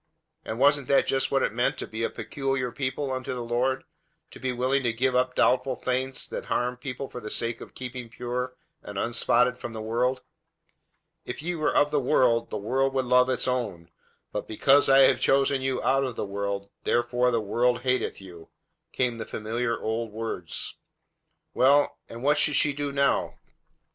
And wasn't that just what it meant to be a "peculiar people" unto the Lord, to be willing to give up doubtful things that harmed people for the sake of keeping pure and unspotted from the world? "If ye were of the world, the world would love its own; but because I have chosen you out of the world, therefore the world hateth you," came the familiar old words. Well, and what should she do now?